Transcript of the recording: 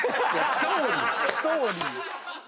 「ストーリー」